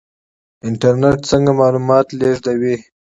انټرنیټ څنګه معلومات لیږدوي؟